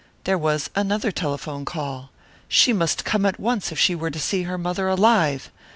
There was another telephone call. She must come at once if she were to see her mother alive.